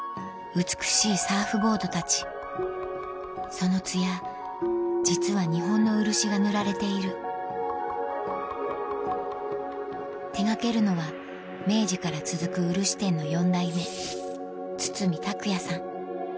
そのつや実は日本の漆が塗られている手掛けるのは明治から続く漆店の４代目堤卓也さん